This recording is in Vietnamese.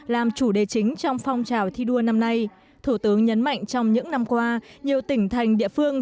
làm chủ đề chính trong phong trào thi đua năm nay thủ tướng nhấn mạnh trong những năm qua nhiều tỉnh thành địa phương